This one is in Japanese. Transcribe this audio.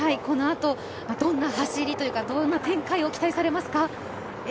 このあとどんな走りというかどんな展開を期待されますか？